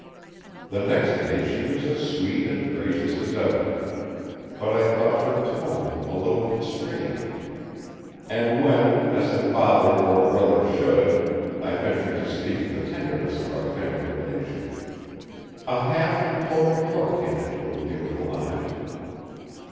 The next day she was as sweet and gracious as ever, but I thought her tone a little constrained, and when, as a father or brother should, I ventured to speak of the tenderness of our family relation, a half imploring look came into her beautiful eyes.